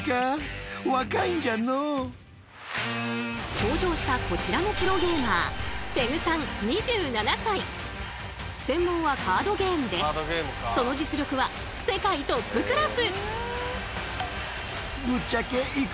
登場したこちらのプロゲーマー専門はカードゲームでその実力は世界トップクラス。